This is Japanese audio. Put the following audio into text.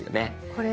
これ？